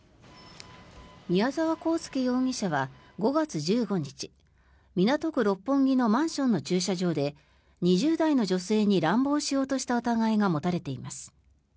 宮沢公佑容疑者は５月１５日港区六本木のマンションの駐車場で２０代の女性に乱暴しようとした疑いが持たれています。